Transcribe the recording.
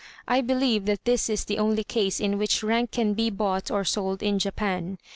I believe that this is the only case in which rank can be bought or sold in Japan.